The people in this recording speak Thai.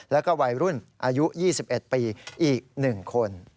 แล้วก็วัยรุ่นอายุ๒๑ปีอีก๑คน